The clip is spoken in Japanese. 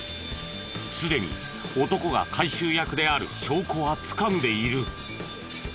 すでに男が回収役である証拠はつかんでいる。